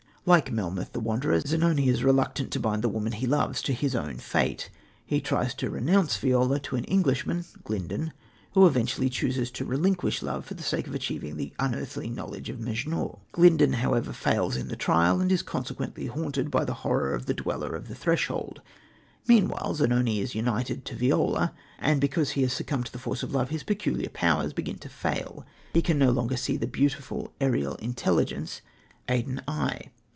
Like Melmoth the Wanderer, Zanoni is reluctant to bind the woman he loves to his own fate. He tries to renounce Viola to an Englishman, Glyndon, who eventually chooses to relinquish love for the sake of achieving the unearthly knowledge of Mejnour. Glyndon, however, fails in the trial, and is consequently haunted by the horror of the Dweller of the Threshold. Meanwhile Zanoni is united to Viola; and because he has succumbed to the force of love, his peculiar powers begin to fail. He can no longer see the beautiful, aerial intelligence, Adon Ai.